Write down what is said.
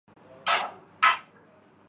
تو بات بنتی ہے۔